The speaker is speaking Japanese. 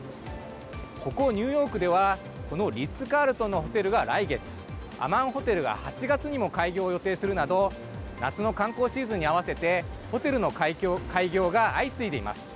ここ、ニューヨークではこのリッツカールトンのホテルが来月アマンホテルが８月にも開業を予定するなど夏の観光シーズンに合わせてホテルの開業が相次いでいます。